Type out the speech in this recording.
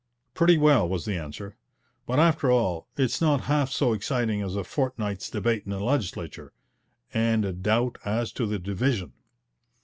'Pretty well,' was the answer; 'but, after all, it's not half so exciting as a fortnight's debate in the Legislature, and a doubt as to the division.'